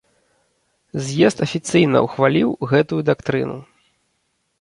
З'езд афіцыйна ўхваліў гэтую дактрыну.